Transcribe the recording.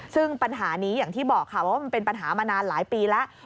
ซึ่งปัญหานี้อย่างที่บอกค่ะว่ามันเป็นปัญหามานานหลายปีแล้ว